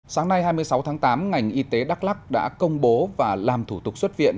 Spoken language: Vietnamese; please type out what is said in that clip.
sáng nay hai mươi sáu tháng tám ngành y tế đắk lắc đã công bố và làm thủ tục xuất viện